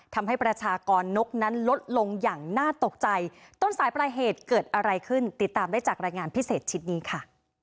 ทำให้ประชากรนกนั้นลดลงอย่างน่าตกใจต้นสายปลายเหตุเกิดอะไรขึ้นติดตามได้จากรายงานพิเศษชิ้นนี้ค่ะ